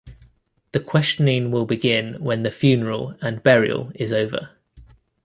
The questioning will begin when the funeral and burial is over.